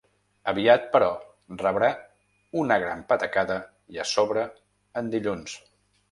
Aviat, però, rebrà una gran patacada i, a sobre, en dilluns.